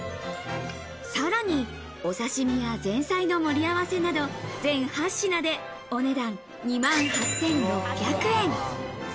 さらに、お刺身や前菜の盛り合わせなど、全８品でお値段２万８６００円。